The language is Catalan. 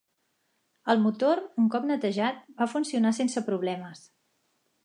El motor, un cop netejat, va funcionar sense problemes.